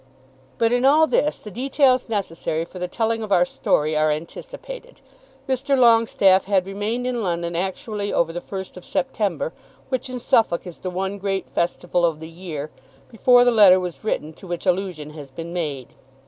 But in all this the details necessary for the telling of our story are anticipated. Mr. Longestaffe had remained in London actually over the 1st of September, which in Suffolk is the one great festival of the year, before the letter was written to which allusion has been made.